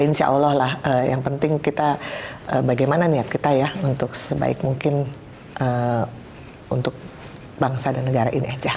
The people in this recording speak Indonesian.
insya allah lah yang penting kita bagaimana niat kita ya untuk sebaik mungkin untuk bangsa dan negara ini aja